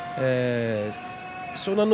湘南乃